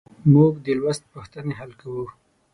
موږ د لوست پوښتنې حل کوو.